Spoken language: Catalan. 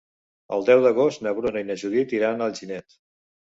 El deu d'agost na Bruna i na Judit iran a Alginet.